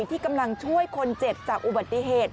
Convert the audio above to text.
ที่กำลังช่วยคนเจ็บจากอุบัติเหตุ